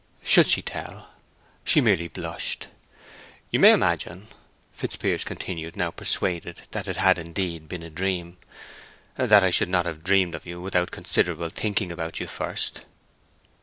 Should she tell? She merely blushed. "You may imagine," Fitzpiers continued, now persuaded that it had, indeed, been a dream, "that I should not have dreamed of you without considerable thinking about you first."